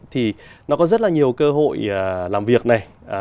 thì nó có rất là nhiều cơ hội làm việc này